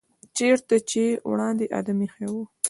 چېرته چې وړاندې آدم ایښی و.